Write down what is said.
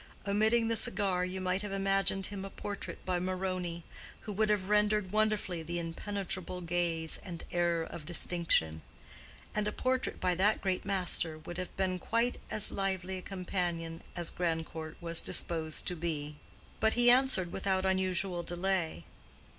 Omitting the cigar, you might have imagined him a portrait by Moroni, who would have rendered wonderfully the impenetrable gaze and air of distinction; and a portrait by that great master would have been quite as lively a companion as Grandcourt was disposed to be. But he answered without unusual delay.